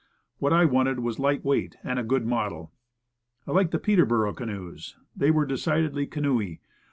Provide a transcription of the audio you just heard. What I wanted was light weight, and good model. I liked the Peterboro canoes; they were decidedly canoey.